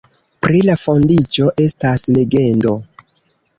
Pri la fondiĝo estas legendo.